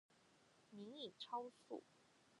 您已超速